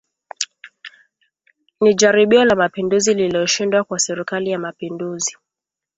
Ni jaribio la Mapinduzi lililoshindwa kwa Serikali ya Mapinduzi